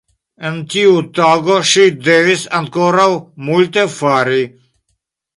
En tiu tago ŝi devis ankoraŭ multe fari.